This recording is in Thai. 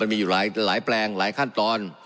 มีอยู่หลายแปลงหลายขั้นตอน